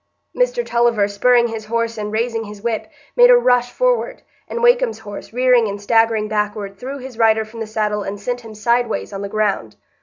Mr Tulliver, spurring his horse and raising his whip, made a rush forward; and Wakem's horse, rearing and staggering backward, threw his rider from the saddle and sent him sideways on the ground.